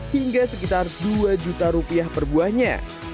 hingga sekitar dua juta rupiah per buahnya